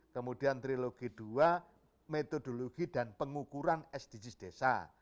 kemudian trilogi dua metodologi dan pengukuran sdgs desa